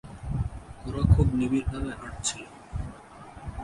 ওরা খুব নিবিড় ভাবে হাঁটছিল।